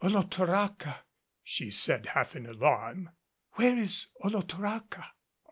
"Olotoraca!" she said half in alarm. "Where is Olotoraca?"